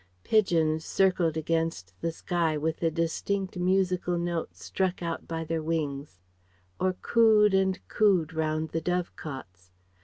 Pigeons circled against the sky with the distinct musical notes struck out by their wings, or cooed and cooed round the dove cots.